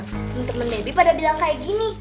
temen debbie pada bilang kayak gini